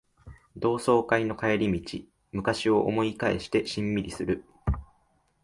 同窓会の帰り道、昔を思い返してしんみりする